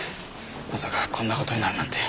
まさかこんなことになるなんて。